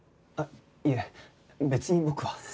あっいえ別に僕は。